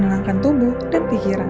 menenangkan tubuh dan pikiran